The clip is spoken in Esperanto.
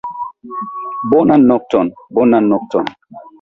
Bonan nokton, bonan nokton.